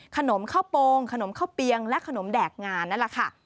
ข้าวโปรงขนมข้าวเปียงและขนมแดกงานนั่นแหละค่ะ